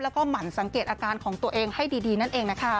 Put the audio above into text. แล้วก็หมั่นสังเกตอาการของตัวเองให้ดีนั่นเองนะคะ